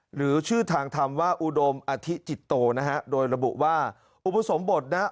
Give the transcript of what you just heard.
หรือชื่อทางธรรมว่าอุดมอธิจิตโตนะฮะโดยระบุว่าอุปสมบทนะฮะ